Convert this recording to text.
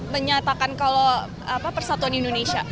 menyatakan kalau persatuan indonesia